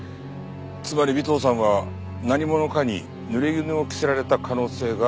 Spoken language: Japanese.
つまり尾藤さんは何者かにぬれぎぬを着せられた可能性が高いと。